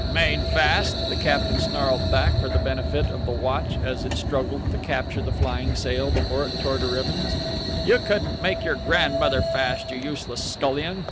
"Made fast?" the captain snarled back, for the benefit of the watch as it struggled to capture the flying sail before it tore to ribbons. "You couldn't make your grandmother fast, you useless scullion.